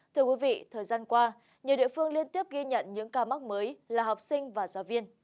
thưa quý vị thời gian qua nhiều địa phương liên tiếp ghi nhận những ca mắc mới là học sinh và giáo viên